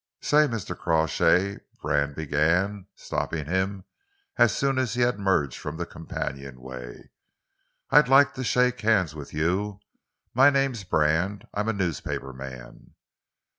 "Say, Mr. Crawshay," Brand began, stopping him as soon as he had emerged from the companionway, "I'd like to shake hands with you. My name's Brand. I'm a newspaper man."